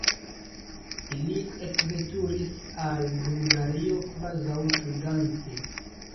Ili ekveturis al Bulgario kvazaŭ flugante.